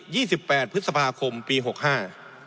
สิบแปดพฤษภาคมปีหกห้า